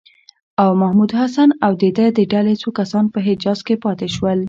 او محمودالحسن او د ده د ډلې څو کسان په حجاز کې پاتې شول.